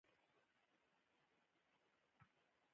دا ډایري د ورځني ذهني سفر یو لاسوند وي.